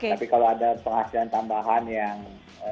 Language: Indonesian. tapi kalau ada penghasilan tambahan yang